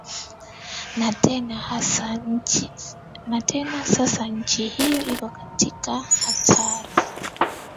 na tena sasa nchi hiyo iko katika hatari